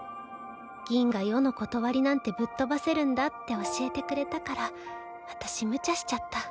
銀が世の理なんてぶっ飛ばせるんだって教えてくれたから私むちゃしちゃった。